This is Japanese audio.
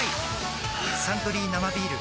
「サントリー生ビール」